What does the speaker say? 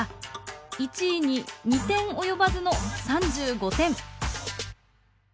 １位に２点及ばずの３５点。